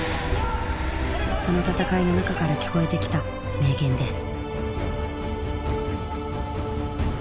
その戦いの中から聞こえてきた名言です。